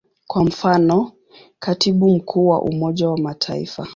Kwa mfano, Katibu Mkuu wa Umoja wa Mataifa.